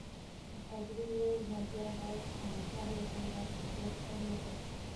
پادري وویل: نو بیا باید خامخا هلته ولاړ شې، ډېر خوند به درکړي.